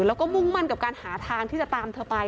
แล้วก็มุ่งมั่นกับการหาทางที่จะตามเธอไป